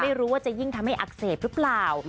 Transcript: ไม่รู้ว่าจะยิ่งทำให้อักเสบหรือเปล่า